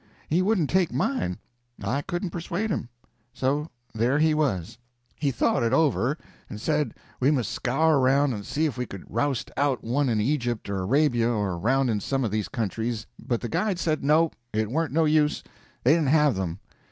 He wouldn't take mine, I couldn't persuade him. So there he was. He thought it over, and said we must scour around and see if we could roust out one in Egypt or Arabia or around in some of these countries, but the guide said no, it warn't no use, they didn't have them.